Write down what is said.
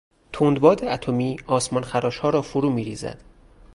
تند باد اتمی آسمانخراشها را فرو میریزد.